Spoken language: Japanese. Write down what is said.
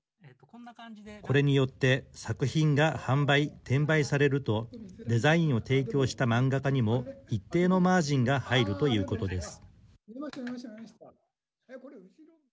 これによって作品が販売・転売されるとデザインを提供した漫画家にも一定のマージンが入るということです。